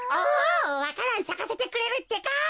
おわか蘭さかせてくれるってか。